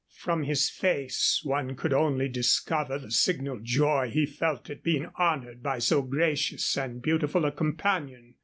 From his face one could only discover the signal joy he felt at being honored by so gracious and beautiful a companion.